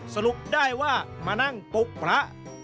สรุปได้ว่ามานั่งปลุกพระ